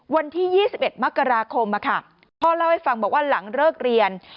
วันที่๒๑มกราคมพ่อเล่าให้ฟังบอกว่าหลังเลิกเรียน